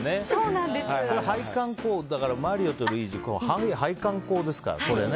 マリオとルイージは配管工ですからね。